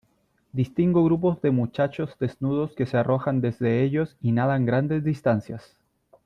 distingo grupos de muchachos desnudos que se arrojan desde ellos y nadan grandes distancias ,